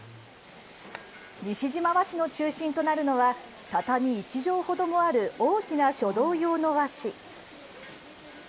西嶋和紙の中心となるのは、畳１畳ほどもある大きな書道用の和紙。